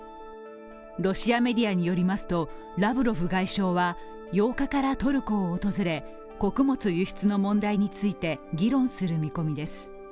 ロシアメディアによりますと、ラブロフ外相は８日からトルコを訪れ穀物輸出の問題について議論する見込みです。